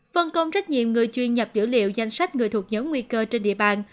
phân công trách nhiệm người chuyên nhập dữ liệu danh sách người thuộc nhóm nguy cơ trên địa bàn